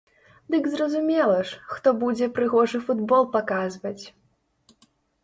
Дык зразумела ж, хто будзе прыгожы футбол паказваць!